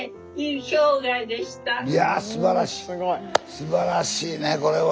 すばらしいねこれは。